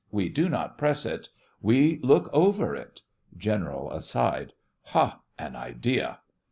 We do not press it. We look over it. GENERAL: (aside) Hah! an idea!